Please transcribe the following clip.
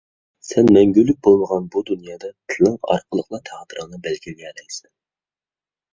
سەن مەڭگۈلۈك بولمىغان بۇ دۇنيادا تىلىڭ ئارقىلىقلا تەقدىرىڭنى بەلگىلىيەلەيسەن.